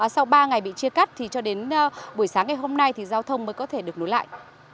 sau ba ngày bị chia cắt thì cho đến buổi sáng ngày hôm nay thì giao thông mới có thể được nối lại